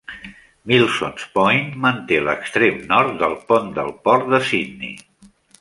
Milsons Point manté l'extrem nord del Pont del Port de Sydney.